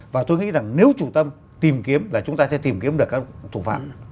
và tôi nghĩ rằng nếu chủ tâm tìm kiếm là chúng ta sẽ tìm kiếm được các thủ phạm